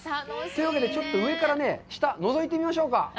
というわけで、ちょっと上から下をのぞいてみましょうか。